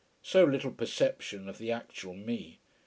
So little perception of the actual me!